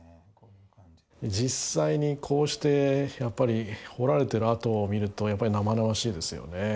実際にこうして掘られている跡を見るとやっぱり生々しいですよね。